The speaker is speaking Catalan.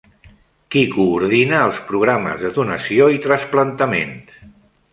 Qui coordina els Programes de Donació i Trasplantaments?